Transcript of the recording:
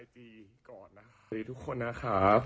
สวัสดีทุกคนนะครับ